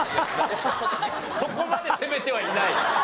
そこまで責めてはいない！